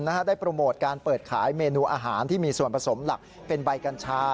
ได้โปรโมทการเปิดขายเมนูอาหารที่มีส่วนผสมหลักเป็นใบกัญชา